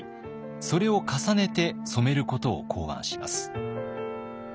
それを重ねて染めることを考案します。